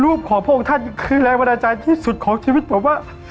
ขอพระองค์ท่านคือแรงบันดาลใจที่สุดของชีวิตผมว่า